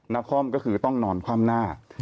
นครก็คือต้องนอนคว่ำหน้า